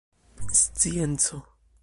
scienco